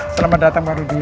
selamat datang pak rudi